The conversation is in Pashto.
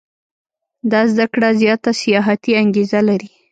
دا زده کړه زیاته سیاحتي انګېزه لري.